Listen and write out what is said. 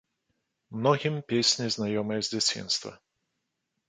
Многім песні знаёмыя з дзяцінства.